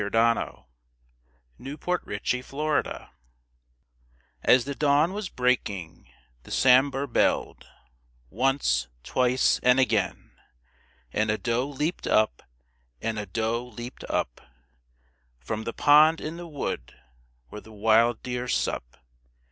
Hunting Song of the Seeonee Pack As the dawn was breaking the Sambhur belled Once, twice and again! And a doe leaped up, and a doe leaped up From the pond in the wood where the wild deer sup.